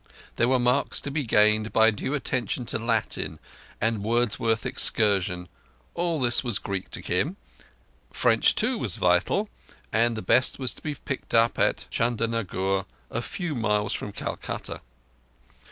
There were marks to be gained by due attention to Latin and Wordsworth's Excursion (all this was Greek to Kim). French, too was vital, and the best was to be picked up in Chandernagore a few miles from Calcutta.